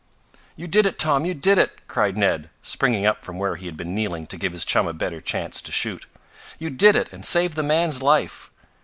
"You did it, Tom! You did it!" cried Ned, springing up from where he had been kneeling to give his chum a better chance to shoot. "You did it, and saved the man's life!"